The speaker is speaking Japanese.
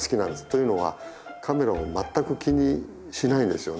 というのはカメラを全く気にしないですよね。